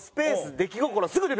「出来心」。